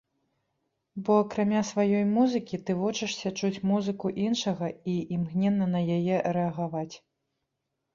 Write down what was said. Бо акрамя сваёй музыкі, ты вучышся чуць музыку іншага і імгненна на яе рэагаваць.